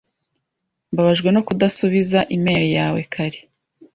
Mbabajwe no kudasubiza imeri yawe kare.